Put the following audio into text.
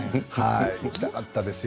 行きたかったですよ。